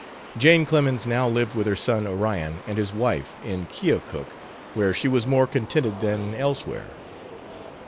Jane Clemens now lived with her son Orion and his wife, in Keokuk, where she was more contented than elsewhere.